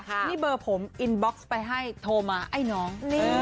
นี่เบอร์ผมอินบ็อกซ์ไปให้โทรมาไอ้น้อง